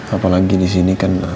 apalagi disini kan